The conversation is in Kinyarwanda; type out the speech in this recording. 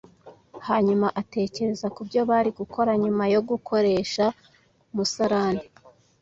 hanyuma atekereza kubyo bari gukora nyuma yo gukoresha umusarani